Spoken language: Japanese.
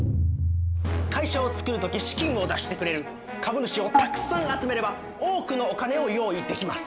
会社をつくる時資金を出してくれる株主をたくさん集めれば多くのお金を用意できます。